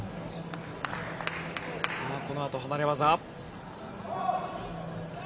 このあと離れ技。